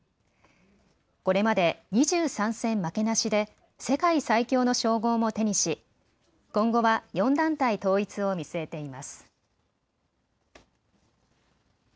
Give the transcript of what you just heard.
これまで２３戦負けなしで世界最強の称号も手にし今後は４団体統一を見据えています。